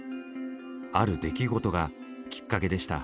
ある出来事がきっかけでした。